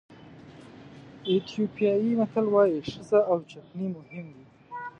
ایتیوپیایي متل وایي ښځه او چکنۍ مهم دي.